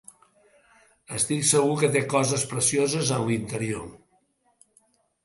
Estic segur que té coses precioses en l'interior!